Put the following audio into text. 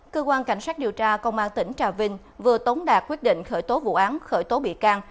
cơ quan cảnh sát điều tra công an tỉnh trà vinh vừa tống đạt quyết định khởi tố vụ án khởi tố bị can